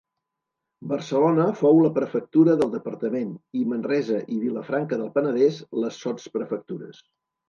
Barcelona fou la prefectura del departament i Manresa i Vilafranca del Penedès les sotsprefectures.